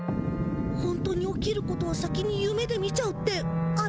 本当に起きることを先にゆめで見ちゃうってあれかな？